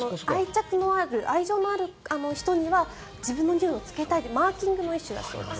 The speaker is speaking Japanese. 愛情のある人には自分のにおいをつけたいというマーキングの一種だそうです。